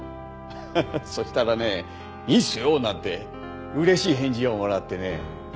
ハハハそしたらね「いいっすよ」なんて嬉しい返事をもらってね。